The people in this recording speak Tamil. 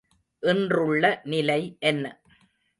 இன்றுள்ள நிலை என்ன?